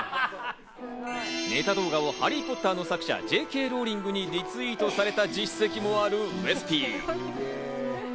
ネタ動画を『ハリー・ポッター』の作者、Ｊ・Ｋ・ローリングにリツイートされた実績もあるウエスＰ。